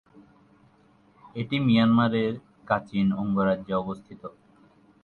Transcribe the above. এটি মিয়ানমারের কাচিন অঙ্গরাজ্যে অবস্থিত।